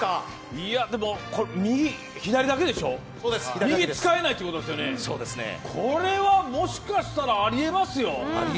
左だけでしょ、右使えないということですよね、これはもしかしたらありえますよ。